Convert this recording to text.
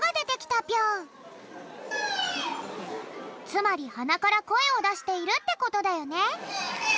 つまりはなからこえをだしているってことだよね。